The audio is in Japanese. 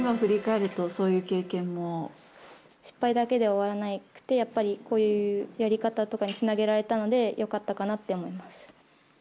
今、失敗だけで終わらなくて、やっぱり、こういうやり方とかにつなげられたので、よかったかなって思います。